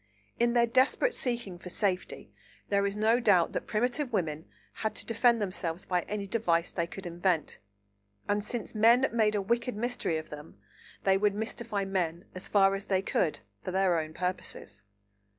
In their desperate seeking for safety there is no doubt that primitive women had to defend themselves by any device they could invent; and since men made a wicked mystery of them, they would mystify men as far as they could, for their own purposes.